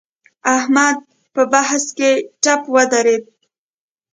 احمد په بحث کې ټپ ودرېد.